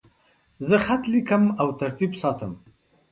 زه خط لیکم او ترتیب ساتم.